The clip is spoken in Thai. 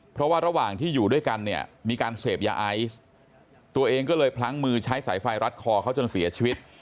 เพราะว่าระหว่างที่อยู่ด้วยกันเนี่ยมีการเสพยาไอซ์ตัวเองก็เลยพลั้งมือใช้สายไฟรัดคอเขาจนเสียชีวิต